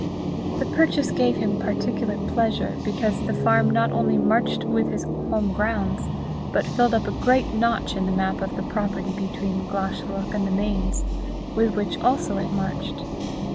The purchase gave him particular pleasure, because the farm not only marched with his home grounds, but filled up a great notch in the map of the property between Glashruach and the Mains, with which also it marched.